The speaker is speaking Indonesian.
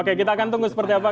oke kita akan tunggu seperti apa